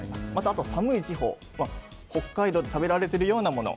あとは寒い地方北海道で食べられてるようなもの。